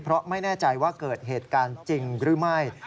เพราะไม่แน่ใจว่าเกิดเหตุการณ์จริงหรือไม่